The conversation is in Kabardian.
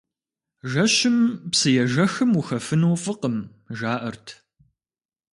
Жэщым псыежэхым ухэфыну фӀыкъым, жаӀэрт.